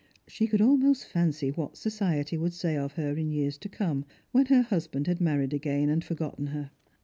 She could almost fancy what society would say of her in years to come, when her husband had married again and for gotten her.